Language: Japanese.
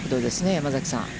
山崎さん。